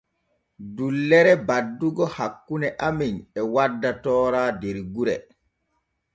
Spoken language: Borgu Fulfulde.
Dullere baddugo hakkune amen e wadda toora der gure.